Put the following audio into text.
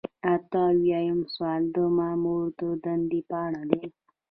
اته اویایم سوال د مامور د دندې په اړه دی.